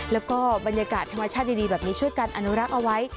แล้วก็บรรยากาศธรรมชาติดีแบบนี้ช่วยกันอนุรักษ์เอาไว้